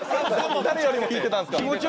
誰よりも引いてたんですか。